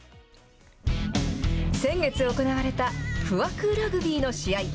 先月行われた不惑ラグビーの試合。